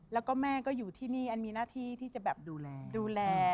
แล้วก็แม่ก็อยู่ที่นี่อันมีหน้าที่ที่จะแบบดูแลดูแล